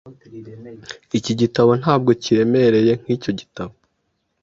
Iki gitabo ntabwo kiremereye nkicyo gitabo .